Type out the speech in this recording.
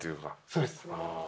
そうです。